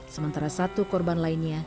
sementara satu korban lainnya